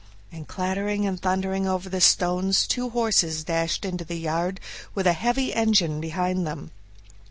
and clattering and thundering over the stones two horses dashed into the yard with a heavy engine behind them.